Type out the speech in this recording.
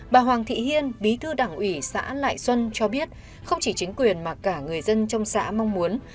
bà hoàng thị hiên bí thư đảng ủy xã lại xuân cho biết không chỉ chính quyền mà cả người dân trong xã mong muốn